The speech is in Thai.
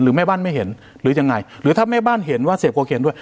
แม่บ้านไม่เห็นหรือยังไงหรือถ้าแม่บ้านเห็นว่าเสพโคเคนด้วย